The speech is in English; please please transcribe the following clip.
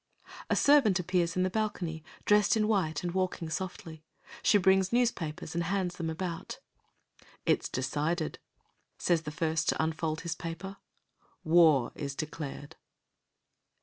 A servant appears in the balcony, dressed in white and walking softly. She brings newspapers and hands them about. "It's decided," says the first to unfold his paper. "War is declared."